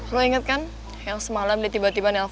lo inget kan yang semalam dia tiba tiba nelf